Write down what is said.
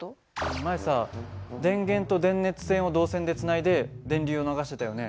前さ電源と電熱線を導線でつないで電流を流してたよね。